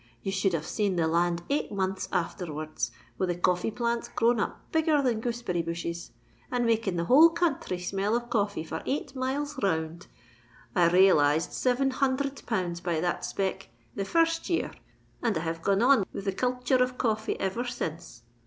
Ye should have seen the land eight months afterwards, with the coffee plants grown up bigger than gooseberry bushes, and making the whole counthry smell of coffee for eight miles round. I rayalized seven hunthred pounds by that spec the first year; and I have gone on with the culthure of coffee ever since."